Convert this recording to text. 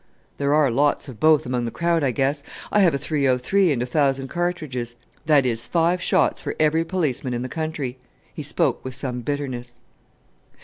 "There are lots of both among the crowd, I guess. I have a 303 and a thousand cartridges; that is, five shots for every policeman in the country." He spoke with some bitterness.